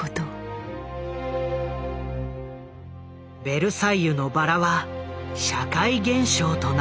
「ベルサイユのばら」は社会現象となった。